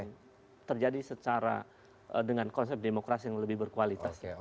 dan terjadi secara dengan konsep demokrasi yang lebih berkualitas